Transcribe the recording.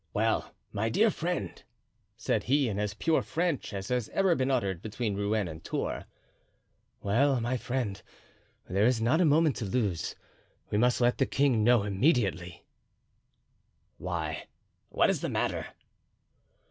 "Well, my dear friend?" said he, in as pure French as has ever been uttered between Rouen and Tours. "Well, my friend, there is not a moment to lose; we must let the king know immediately." "Why, what is the matter?"